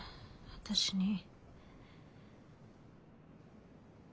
私に。